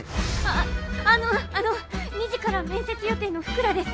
あのあの２時から面接の予定の福良です。